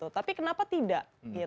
tapi kenapa tidak